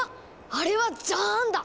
あれはジャーンだ！